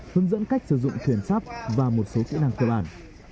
hướng dẫn cách sử dụng thuyền sắp và một số kỹ năng cơ bản